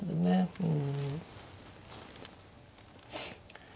うん。